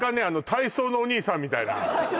体操のお兄さんみたいなのよ